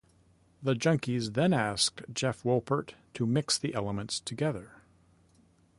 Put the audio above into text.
The Junkies then asked Jeff Wolpert to mix the elements together.